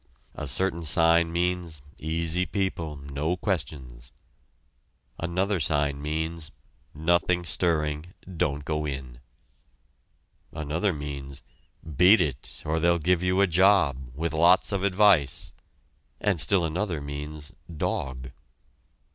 A certain sign means "Easy people no questions"; another sign means "Nothing stirring don't go in"; another means "Beat it or they'll give you a job with lots of advice!" and still another means "Dog."